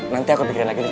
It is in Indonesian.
nanti aku pikirin lagi nih